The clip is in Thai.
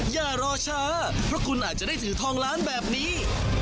อย่ารอช้าเพราะคุณอาจจะได้ถือทองล้านแบบนี้